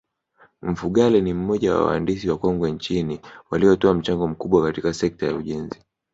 Mfugale ni moja ya waandisi wakongwe nchini waliotoa mchango mkubwa katika sekta ya ujenzi